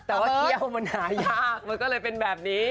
แต่ว่าเที่ยวมันหายากมันก็เลยเป็นแบบนี้